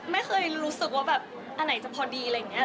ไม่เคยรู้สึกว่าแบบอันไหนจะพอดีอะไรอย่างนี้